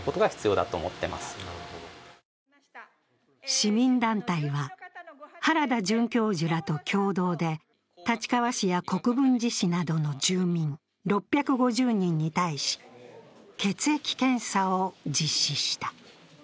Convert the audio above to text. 市民団体は原田准教授らと共同で立川市や国分寺市などの住民６５０人に対し血液検査を実施した。